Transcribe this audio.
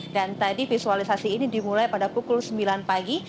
dan tadi visualisasi ini dimulai pada pukul sembilan pagi